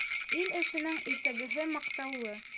Ил эшенең иртәгеһе маҡтаулы.